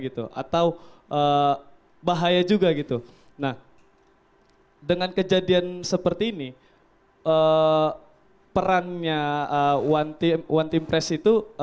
gitu atau bahaya juga gitu nah dengan kejadian seperti ini perannya one team one team press itu